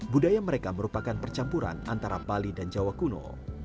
budaya mereka merupakan percampuran antara bali dan jawa kuno